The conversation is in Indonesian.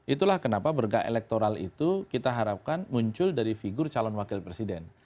itulah kenapa bergak elektoral itu kita harapkan muncul dari figur calon wakil presiden